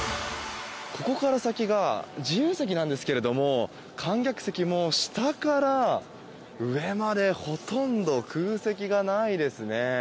ここから先が自由席なんですけれども観客席、もう下から上までほとんど空席がないですね。